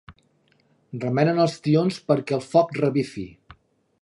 Remenen els tions perquè el foc revifi.